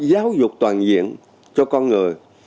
giáo dục toàn diện cho con người